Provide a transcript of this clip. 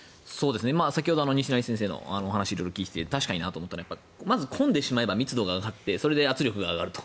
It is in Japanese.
先ほど、西成先生のお話色々聞いていて確かになと思ったのは混んでしまえば密度が上がってそれで圧力が上がると。